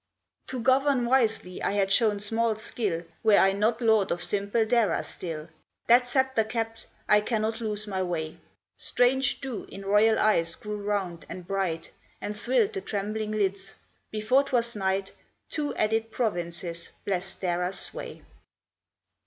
"To govern wisely I had shown small skill Were I not lord of simple Dara still; That sceptre kept, I cannot lose my way!" Strange dew in royal eyes grew round, and bright And thrilled the trembling lids; before 'twas night Two added provinces blest Dara's sway.